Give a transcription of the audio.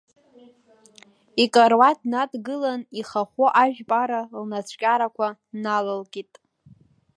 Икаруаҭ днадгылан, ихахәы ажәпара лнацәкьарақәа налалкит.